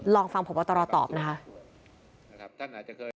ลองฟังผมว่าต้องรอตอบนะครับ